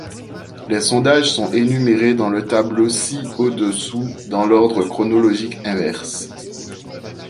Les sondages sont énumérés dans le tableau ci au-dessous dans l'ordre chronologique inverse.